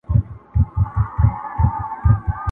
چي ملګری د سفر مي د بیابان یې؛